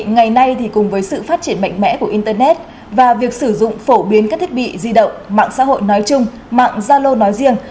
ngày nay cùng với sự phát triển mạnh mẽ của internet và việc sử dụng phổ biến các thiết bị di động mạng xã hội nói chung mạng zalo nói riêng